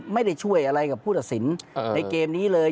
ไม่ได้ช่วยอะไรกับผู้ตัดสินในเกมนี้เลย